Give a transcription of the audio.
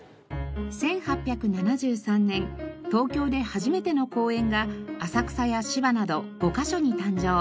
１８７３年東京で初めての公園が浅草や芝など５カ所に誕生。